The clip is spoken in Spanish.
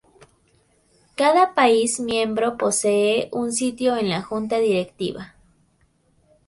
Cada país miembro posee un sitio en la Junta Directiva.